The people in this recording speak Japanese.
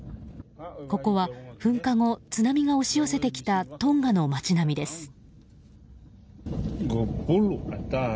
ここは噴火後津波が押し寄せてきたトンガの街並みです。